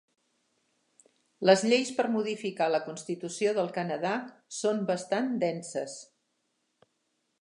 Les lleis per modificar la constitució del Canadà són bastant denses.